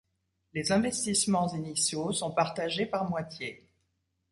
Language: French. Les investissements initiaux sont partagés par moitié.